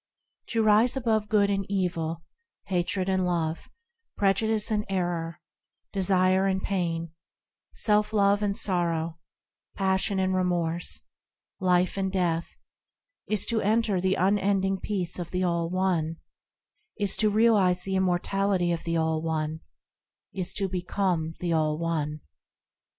To rise above good and evil, Hatred and love, Prejudice and error, Desire and pain, Self love and sorrow, Passion and remorse, Life and death, Is to enter the unending peace of the All One, Is to realise the immortality of the All One, Is to become the All One.